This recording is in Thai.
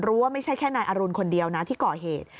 รู้ว่าไม่ใช่แค่นายอรุณคนเดียวที่ก่อเหตุ